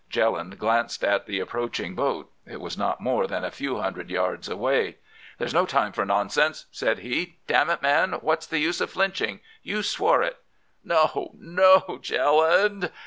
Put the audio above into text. Jelland glanced at the approaching boat. It was not more than a few hundred yards away. "'There's no time for nonsense,' said he. 'Damn it! man, what's the use of flinching? You swore it!' "'No, no, Jelland!